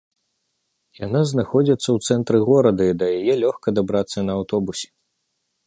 Яна знаходзіцца ў цэнтры горада і да яе лёгка дабрацца на аўтобусе.